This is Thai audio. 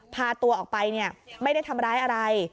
พาตัวออกไปไม่ได้ทำร้ายอะไร